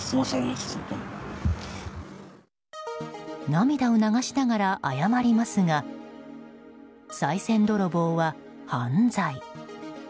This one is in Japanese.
涙を流しながら謝りますがさい銭泥棒は犯罪。